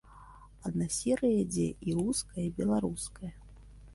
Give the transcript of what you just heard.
Адна серыя ідзе і руская, і беларуская.